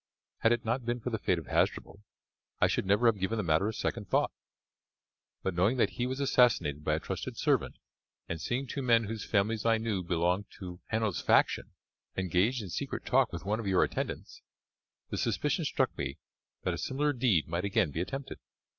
Had it not been for the fate of Hasdrubal I should never have given the matter a second thought; but, knowing that he was assassinated by a trusted servant, and seeing two men whose families I knew belonged to Hanno's faction engaged in secret talk with one of your attendants, the suspicion struck me that a similar deed might again be attempted.